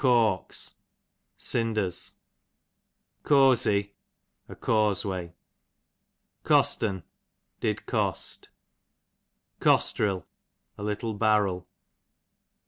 Corks, J Cosey, a causeway. Cost'n, did cost. Costril, a little barrel.